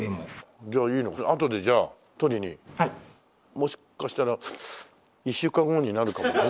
もしかしたら１週間後になるかもね。